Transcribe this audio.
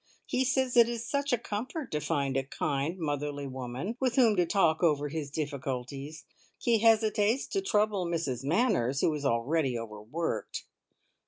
He says it is such a comfort to find a kind, motherly woman with whom to talk over his difficulties! He hesitates to trouble Mrs Manners, who is already overworked.